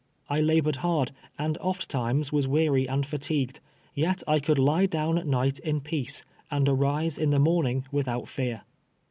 I labored hard, aild oft times was weary and fatigued, yet I could lie down at night in peace, and arise in the morning without fear.